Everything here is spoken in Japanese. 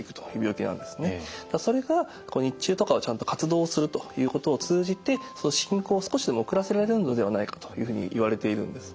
それが日中とかをちゃんと活動するということを通じてその進行を少しでも遅らせられるのではないかというふうに言われているんです。